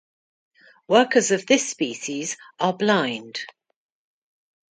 Workers of this species are blind.